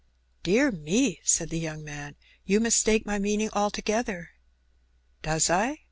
"Dear me!" said the young man, "you mistake my meaning altogether." "Does I?"